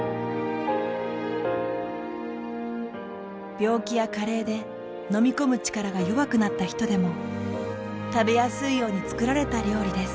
病気や加齢で飲み込む力が弱くなった人でも食べやすいように作られた料理です。